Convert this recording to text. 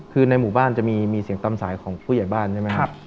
คือในหมู่บ้านจะมีเสียงตามสายของผู้ใหญ่บ้านใช่ไหมครับ